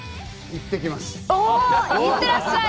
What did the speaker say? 行ってきます。